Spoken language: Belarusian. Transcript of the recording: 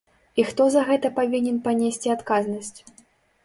І хто за гэта павінен панесці адказнасць?